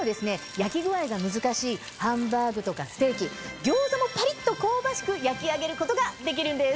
焼き具合が難しいハンバーグとかステーキ餃子もパリっと香ばしく焼き上げることができるんです。